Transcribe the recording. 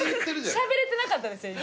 しゃべれてなかったですよ。